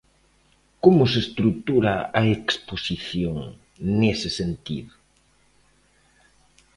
Como se estrutura a exposición, nese sentido?